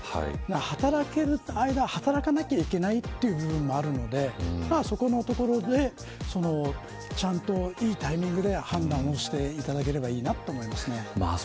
働ける間は働かなきゃいけないというのもあるのでそこのところでちゃんといいタイミングで判断していただければいいなと思います。